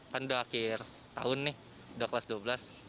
kan sudah akhir tahun nih sudah kelas dua belas